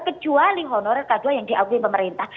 kecuali honorat k dua yang diaudin pemerintah